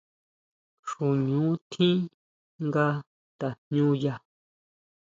Xuñu tjín nga tajñuña.